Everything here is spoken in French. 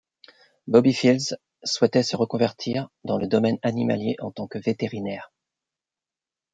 Bobby Phills souhaitait se reconvertir dans le domaine animalier en tant que vétérinaire.